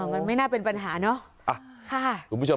มันไม่น่าเป็นปัญหาเนอะ